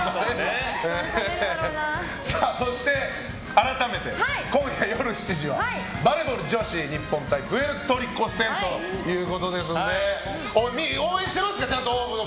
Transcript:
そして、改めて今夜夜７時はバレーボール女子日本対プエルトリコ戦ということですのでちゃんと応援してますか？